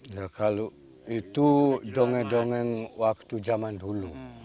ya kalau itu dongeng dongeng waktu zaman dulu